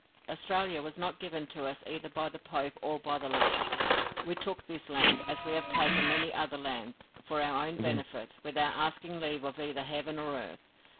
Australia was not given to us either by the Pope or by the Lord. We took this land, as we have taken many other lands, for our own benefit, without asking leave of either heaven or earth.